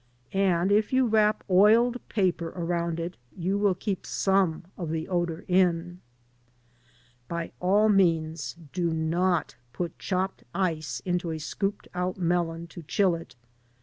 And if you wrap oiled paper around it you will keep some of the odor in. By' all means, do NOT put chopped ice into a scooped out melon to chill it.